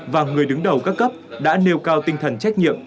và người đứng đầu các cấp đã nêu cao tinh thần trách nhiệm